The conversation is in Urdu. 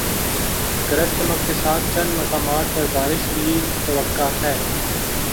گرج چمک کے ساتھ چند مقامات پر بارش کی توقع ہے